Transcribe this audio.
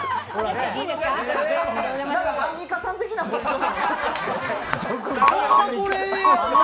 アンミカさん的なポジション。